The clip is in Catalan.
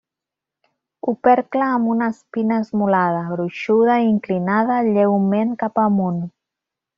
Opercle amb una espina esmolada, gruixuda i inclinada lleument cap amunt.